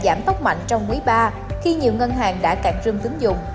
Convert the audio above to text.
giảm tốc mạnh trong quý ba khi nhiều ngân hàng đã cạn trương tính dụng